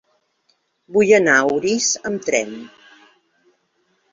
Vull anar a Orís amb tren.